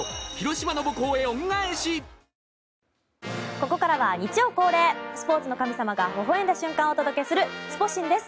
ここからは日曜恒例スポーツの神様がほほ笑んだ瞬間をお届けするスポ神です。